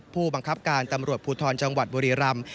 ผู้บังคับการตำรวจภูทรจังหวัดบุรีรำ